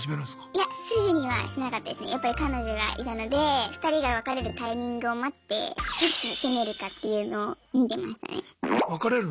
やっぱり彼女がいたので２人が別れるタイミングを待っていつ攻めるかっていうのを見てましたね。